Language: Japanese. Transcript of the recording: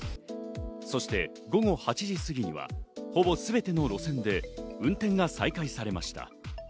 そして午後８時すぎにはほぼすべての路線で運転が再開されました。